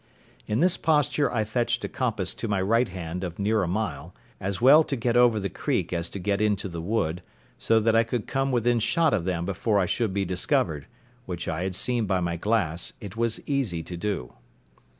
In this posture I fetched a compass to my right hand of near a mile, as well to get over the creek as to get into the wood, so that I could come within shot of them before I should be discovered, which I had seen by my glass it was easy to do.